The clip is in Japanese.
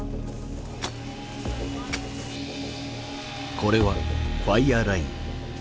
これはファイアーライン。